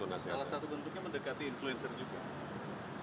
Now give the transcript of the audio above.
salah satu bentuknya mendekati influencer juga